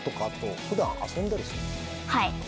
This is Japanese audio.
はい！